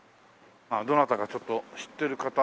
どなたかちょっと知ってる方に聞かないと。